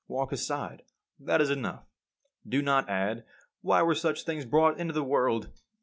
Walk aside. That is enough. Do not add, "Why were such things brought into the world?"